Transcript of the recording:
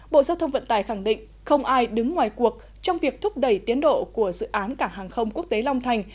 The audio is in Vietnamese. bộ giao thông vận tải khẳng định không ai đứng ngoài cuộc trong việc thúc đẩy tiến độ của dự án cảng hàng không quốc tế long thành